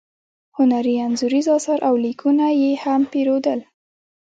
هنري انځوریز اثار او لیکونه یې هم پیرودل.